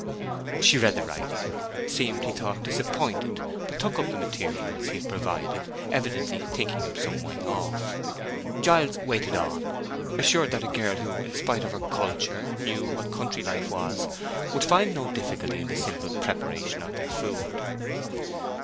She read the writing, seemed, he thought, disappointed, but took up the materials he had provided, evidently thinking him some way off. Giles waited on, assured that a girl who, in spite of her culture, knew what country life was, would find no difficulty in the simple preparation of their food.